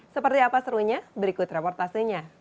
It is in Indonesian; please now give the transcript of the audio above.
seperti apa serunya berikut reportasenya